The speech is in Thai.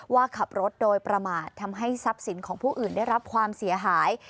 ว่าขับรถโดยประมาททำให้ทรัพย์สินของผู้อื่นได้รับความเสียหาย